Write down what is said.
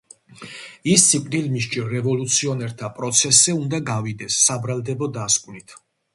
ის სიკვდილმისჯილ რევოლუციონერთა პროცესზე უნდა გავიდეს საბრალდებო დასკვნით.